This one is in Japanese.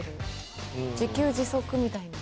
自給自足みたいな。